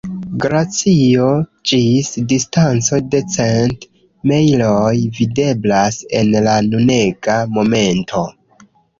Glacio ĝis distanco de cent mejloj videblas en la nunega momento.